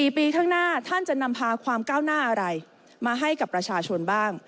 ๔ปีข้างหน้าท่านจะนำพาความก้าวหน้าอะไรมาให้กับประชาชนบ้าง